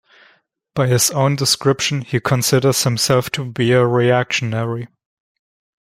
By his own description, he considers himself to be a reactionary.